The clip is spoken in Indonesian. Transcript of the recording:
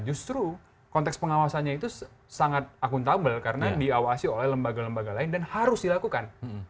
justru konteks pengawasannya itu sangat akuntabel karena diawasi oleh lembaga lembaga lain dan harus dilakukan